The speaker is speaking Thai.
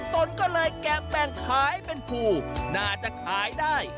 ตนก็เลยแกะแบ่งขายเป็นภูน่าจะขายได้